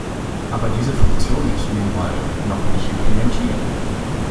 Aber diese Funktion ist nun mal noch nicht implementiert.